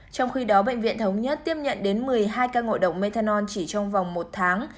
trong khi đó bệnh viện thống nhất tiếp nhận đến một mươi hai ca ngộ độc methanol chỉ trong vòng một tháng